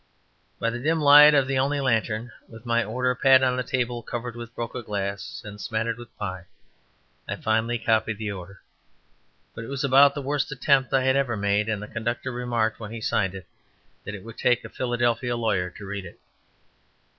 By the dim light of only that lantern, with my order pad on a table covered with broken glass, and smattered with pie, I finally copied the order, but it was about the worst attempt I had ever made; and the conductor remarked when he signed it, that it would take a Philadelphia lawyer to read it.